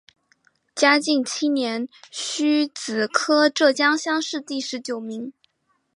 嘉靖七年戊子科浙江乡试第十九名。